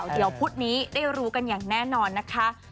เดี๋ยวพุธนี้ได้รู้กันอย่างแน่นอนนะคะ